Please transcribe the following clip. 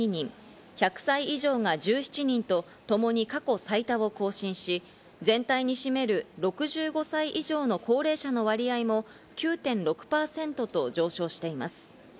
１００歳以上が１７人と、ともに過去最多を更新し、全体に占める６５歳以上の高齢者の割合も９．６％と上昇しています。